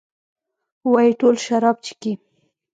وايي ټول شراب چښي؟